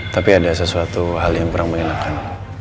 tapi ada sesuatu hal yang kurang mengenakan